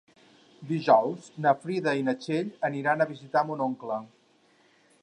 Dijous na Frida i na Txell aniran a visitar mon oncle.